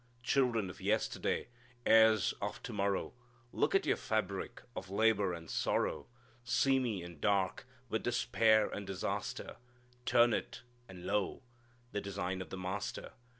"Children of yesterday, Heirs of to morrow, Look at your fabric Of labor and sorrow. Seamy and dark With despair and disaster, Turn it and lo, The design of the Master.